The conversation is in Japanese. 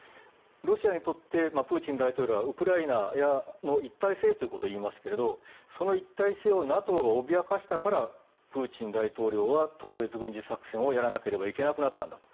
ロシアにとってプーチン大統領はウクライナや一体性ということを言いますけどその一体性をＮＡＴＯが脅かしたからプーチン大統領は特別軍事作戦をやらなければいけなくなったと。